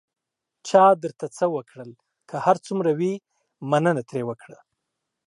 چا درته څه وکړل، که هر څومره وي، مننه ترې وکړه.